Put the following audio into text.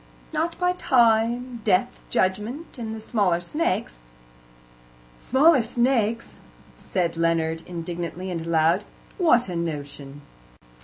"Not by Time, Death, Judgment, and the smaller snakes." "Smaller snakes!" said Leonard indignantly and aloud. "What a notion!"